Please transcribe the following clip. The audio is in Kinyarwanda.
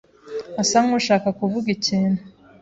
asa nkushaka kuvuga ikintu.